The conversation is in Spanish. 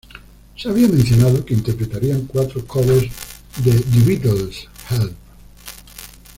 Se había mencionado que interpretarían cuatro covers de The Beatles: "Help!